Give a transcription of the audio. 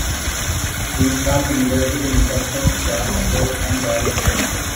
These are similar to the instructions da capo and dal segno.